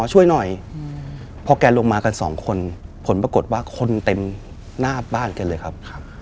เห็นคุณคจบดิต็อด